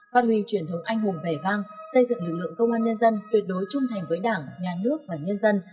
phát huy truyền thống anh hùng vẻ vang xây dựng lực lượng công an nhân dân tuyệt đối trung thành với đảng nhà nước và nhân dân